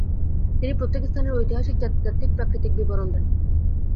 তিনি প্রত্যেক স্থানের ঐতিহাসিক, জাতিতাত্বিক, প্রাকৃতিক বিবরণ দেন।